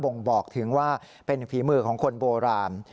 ่งบอกถึงว่าเป็นฝีมือของคนโบราณ